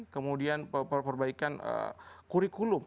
kemudian perbaikan kurikulum